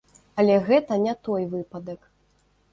Але гэта не той выпадак.